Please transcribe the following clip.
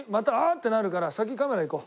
ってなるから先カメラ行こう。